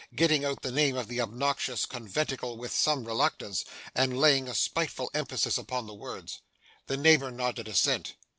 getting out the name of the obnoxious conventicle with some reluctance, and laying a spiteful emphasis upon the words. The neighbour nodded assent.